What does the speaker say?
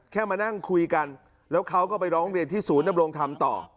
มานั่งคุยกันแล้วเขาก็ไปร้องเรียนที่ศูนย์ดำรงธรรมต่อ